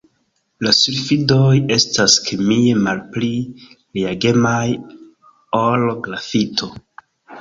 La sulfidoj estas kemie malpli reagemaj ol grafito.